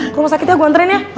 ke rumah sakit ya gue anterin ya